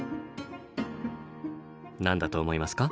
何だと思いますか？